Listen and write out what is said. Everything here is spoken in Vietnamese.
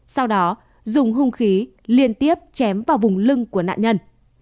sau đó dùng hung khí liên tiếp chém vào vùng lưng của nạn nhân